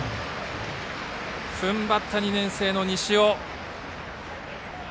踏ん張った２年生の西尾。